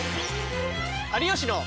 「有吉の」。